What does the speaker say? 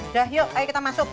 udah yuk ayo kita masuk